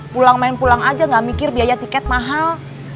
pulang main pulang aja gak mikir biaya tiket mahal